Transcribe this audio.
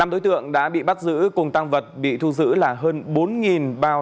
năm đối tượng đã bị bắt giữ cùng tăng vật bị thu giữ là hơn bốn bao